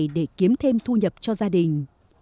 để kiếm thêm thu nhập cho gia đình